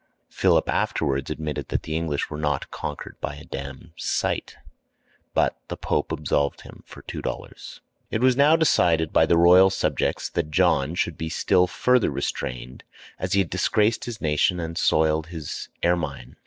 Philip afterwards admitted that the English were not conquered by a Damme site; but the Pope absolved him for two dollars. [Illustration: KING JOHN SIGNS THE MAGNA CHARTA.] It was now decided by the royal subjects that John should be still further restrained, as he had disgraced his nation and soiled his ermine.